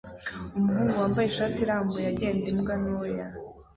Umuhungu wambaye ishati irambuye agenda imbwa ntoya